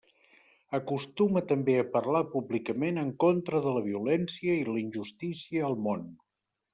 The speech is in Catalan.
Acostuma també a parlar públicament en contra de la violència i la injustícia al món.